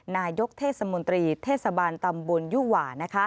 นายกเทศมนตรีเทศบาลตำบลยุหว่า